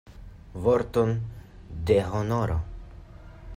Vorton de honoro!